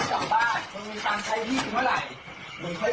กลายเป็นสาวประเภท๒